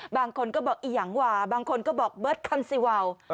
บางคนก็บอกอียังว่าบางคนก็บอกเบิร์ตคำซีวาว